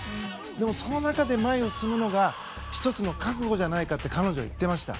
でも、その中で前に進むのが１つの覚悟じゃないかって彼女は言っていました。